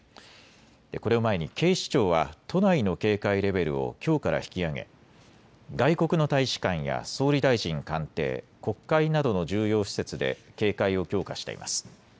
これを前に警視庁は都内の警戒レベルをきょうから引き上げ外国の大使館や総理大臣官邸、国会などの重要施設で警戒を強化しています。